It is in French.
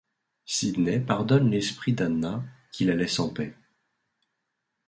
Sydney pardonne l'esprit d'Ana, qui la laisse en paix.